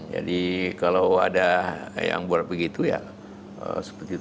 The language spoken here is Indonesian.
jadi kalau ada yang buat begitu ya seperti itu